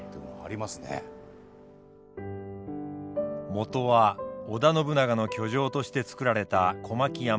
元は織田信長の居城として造られた小牧山城。